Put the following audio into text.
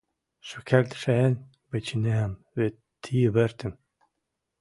Шукердшен выченӓм вет ти выртым.